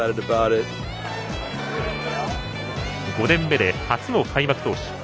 ５年目で初の開幕投手。